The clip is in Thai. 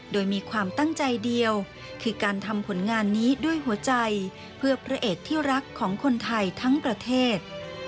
โดยมีความตั้งใจเดียวคือการทำผลงานนี้ด้วยหัวใจเพื่อพระเอกที่รักของคนไทยทั้งประเทศ